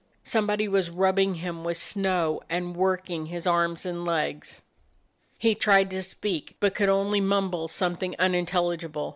Somebody was rubbing him with snow, and working his arms and legs. He tried to speak, but could only mumble something unintelligible.